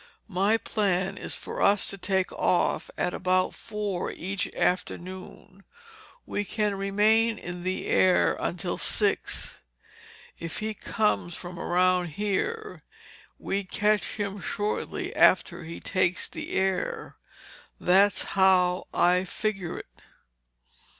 My plan is for us to take off at about four each afternoon. We can remain in the air until six. If he comes from around here, we'd catch him shortly after he takes the air. That's how I figure it."